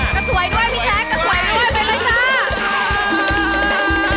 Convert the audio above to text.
จะสวยด้วยพี่แจ๊คจะสวยด้วยไปเลยจ้า